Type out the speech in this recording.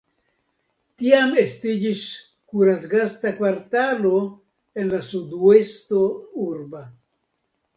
Tiam estiĝis kuracgasta kvartalo en la suduesto urba.